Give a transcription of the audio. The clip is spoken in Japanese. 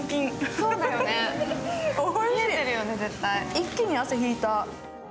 一気に汗ひいた。